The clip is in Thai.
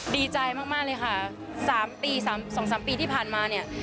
ดีใจมากเลยค่ะ๓ปี๒๓ปีที่ผ่านมาเนี่ย